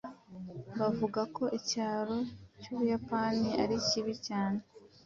Bavuga ko icyaro cyUbuyapani ari kibi cyane.